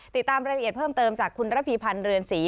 ติดตามรายละเอียดเพิ่มเติมจากคุณระพีพันธ์เรือนศรี